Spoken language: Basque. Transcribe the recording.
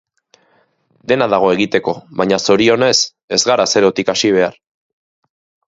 Dena dago egiteko, baina zorionez ez gara zerotik hasi behar.